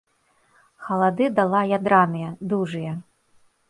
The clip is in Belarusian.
Халады дала ядраныя, дужыя.